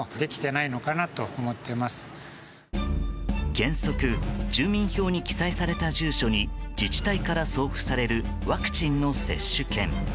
原則住民票に記載された住所に自治体から送付されるワクチンの接種券。